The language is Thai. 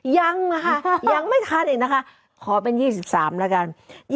ยังนะคะยังไม่ทันอีกนะคะขอเป็น๒๓แล้วกัน